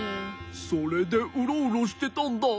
それでウロウロしてたんだ。